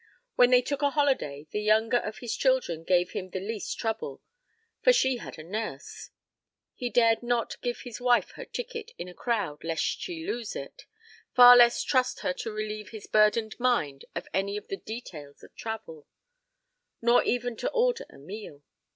When they took a holiday the younger of his children gave him the least trouble, for she had a nurse: he dared not give his wife her ticket in a crowd lest she lose it, far less trust her to relieve his burdened mind of any of the details of travel; nor even to order a meal.